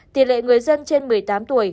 tỷ lệ người dân trên một mươi tám tuổi